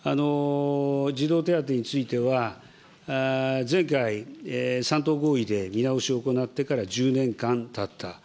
児童手当については、前回、３党合意で見直しを行ってから１０年間たった。